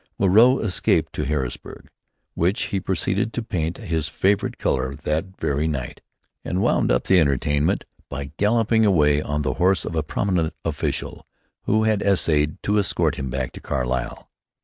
Moreau escaped to Harrisburg, which he proceeded to paint his favorite color that very night, and wound up the entertainment by galloping away on the horse of a prominent official, who had essayed to escort him back to Carlisle.